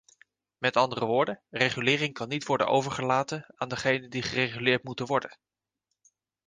Met andere woorden, regulering kan niet worden overgelaten aan degenen die gereguleerd moeten worden.